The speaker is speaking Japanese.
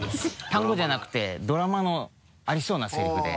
単語じゃなくてドラマのありそうなセリフで。